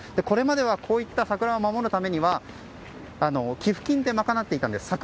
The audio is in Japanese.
これまではこういった桜を守るためには寄付金で賄っていたんです。